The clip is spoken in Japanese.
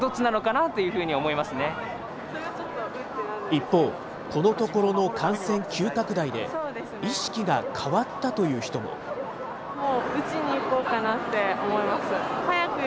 一方、このところの感染急拡大で、意識が変わったという人も。